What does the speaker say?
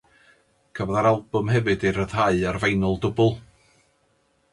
Cafodd yr albwm hefyd ei ryddhau ar finyl dwbl.